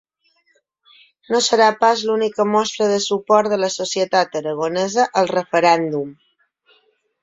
No serà pas l’única mostra de suport de la societat aragonesa al referèndum.